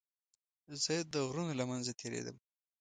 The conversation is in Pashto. زه د غرونو له منځه تېرېدم.